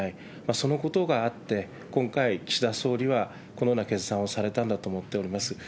そのことがあって、今回、岸田総理はこのような決断をされたんだと思っております。